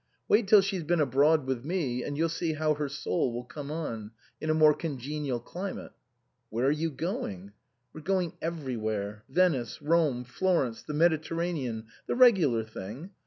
Wait till she's been abroad with me, and you'll see how her soul will come on, in a more congenial climate." " Where are you going ?" "We're going everywhere. Venice Rome Florence the Mediterranean the regular thing.